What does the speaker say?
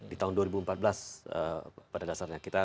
di tahun dua ribu empat belas pada dasarnya